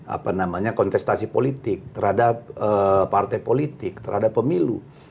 apa namanya kontestasi politik terhadap partai politik terhadap pemilu